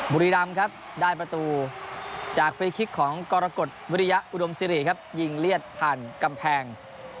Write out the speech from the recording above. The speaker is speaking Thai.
บุรีรำครับได้ประตูจากฟรีคลิกของกรกฎวิริยะอุดมสิริครับยิงเลียดผ่านกำแพง